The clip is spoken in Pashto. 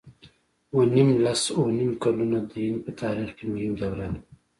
اووه نېم لس اووه نېم کلونه د هند په تاریخ کې مهمه دوره ده.